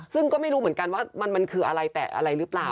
ซึ่งก็ไม่รู้เหมือนกันว่ามันคืออะไรแต่อะไรหรือเปล่า